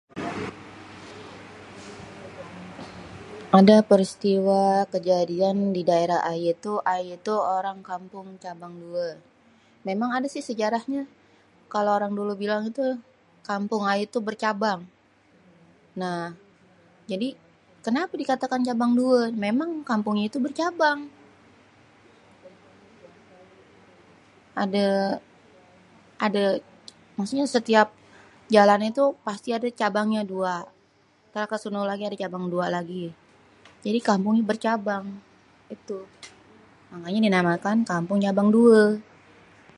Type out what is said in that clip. Ada peristiwa kejadian di daerah ayé tu, ayé tu orang kampung Cabang Due. Memang ada sih sejarahnya kalo orang dulu bilang tu kampung ayé tu bercabang. Nah jadi kenapa dikatakan cabang due? memang kampungnya itu bercabang. Ade maksudnya setiap jalan itu pasti ada cabangnya dua entar ke sono lagi ada cabang dua lagi, jadi kampungnye bercabang. Itu makanya dinamakan kampung Cabang Due.